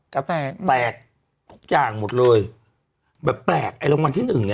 ก็แปลกแตกทุกอย่างหมดเลยแบบแปลกไอ้รางวัลที่หนึ่งเนี้ย